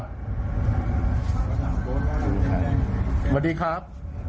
สวัสดีครับ